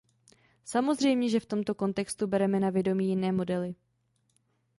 Samozřejme, že v tomto kontextu bereme na vědomí jiné modely.